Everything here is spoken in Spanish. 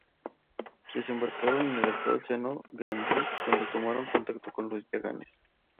Desembarcaron en el actual seno Grandi donde tomaron contacto con los yaganes.